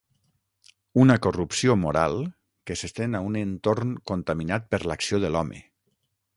Una corrupció moral que s'estén a un entorn contaminat per l'acció de l'home.